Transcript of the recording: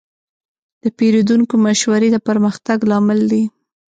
د پیرودونکو مشورې د پرمختګ لامل دي.